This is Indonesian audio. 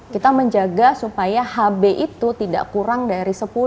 kita menjaga supaya hb itu tidak kurang dari sepuluh